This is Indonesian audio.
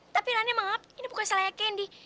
tapi rani maaf ini bukan salahnya candy